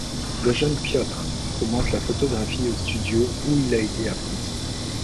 Le jeune Piotr commence la photographie au studio où il a été apprenti.